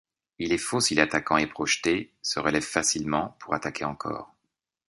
Il est faux si l’attaquant est projeté, se relève facilement, pour attaquer encore.